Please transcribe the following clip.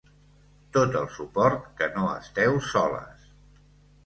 Tot el suport, que no esteu soles.